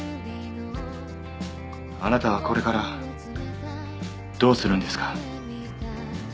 あなたはこれからどうするんですか？